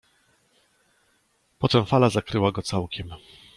Potem fala zakryła go całkiem.